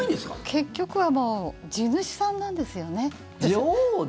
結局は地主さんなんですよね。